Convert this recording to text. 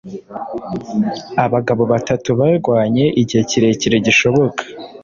Abagabo batatu barwanye igihe kirekire gishoboka